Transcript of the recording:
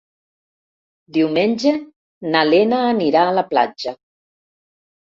Diumenge na Lena anirà a la platja.